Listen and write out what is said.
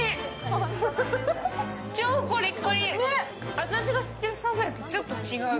私が知ってる、さざえとちょっと違う。